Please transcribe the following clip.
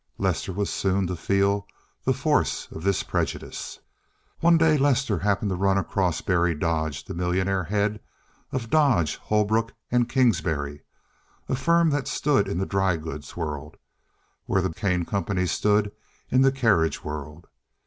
Lester was soon to feel the force of this prejudice. One day Lester happened to run across Berry Dodge, the millionaire head of Dodge, Holbrook & Kingsbury, a firm that stood in the dry goods world, where the Kane Company stood in the carriage world.